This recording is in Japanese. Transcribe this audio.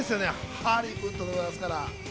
ハリウッドでございますから。